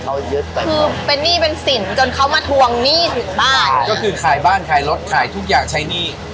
ก็คือขายบ้านขายรถขายทุกอย่างใช้หนี้